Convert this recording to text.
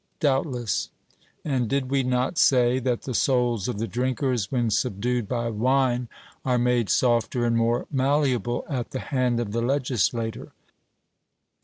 'Doubtless.' And did we not say that the souls of the drinkers, when subdued by wine, are made softer and more malleable at the hand of the legislator?